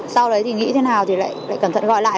sau đấy thì nghĩ thế nào thì lại cẩn thận gọi lại